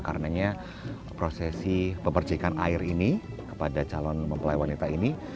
karenanya prosesi pemercikan air ini kepada calon mempelai wanita ini